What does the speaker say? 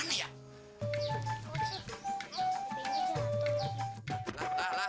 nah lah lah lah